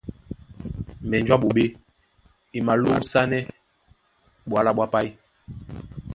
Mbenju a ɓoɓé e malóúsánɛ́ ɓwǎla ɓwá páí.